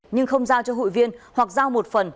nhưng không giao cho hội viên hoặc giao một phần